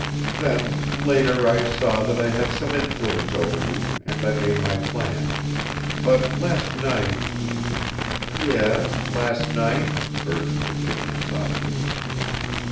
Then later I saw that I had some influence over you, and I made my plan. But last night " "Yes, last night?" urged Virginia, softly.